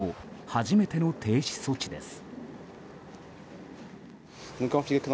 侵攻後、初めての停止措置です。